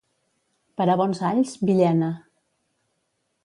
Per a bons alls, Villena.